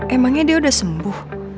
emangnya dia udah sembuh